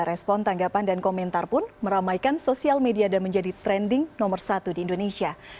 respon tanggapan dan komentar pun meramaikan sosial media dan menjadi trending nomor satu di indonesia